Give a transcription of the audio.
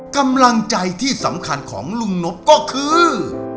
กำลังใจที่สำคัญของลุงนบก็คือ